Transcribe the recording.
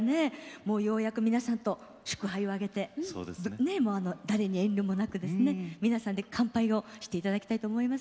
ようやく祝杯をあげて誰に遠慮もなく、皆さんで乾杯していただきたいと思います。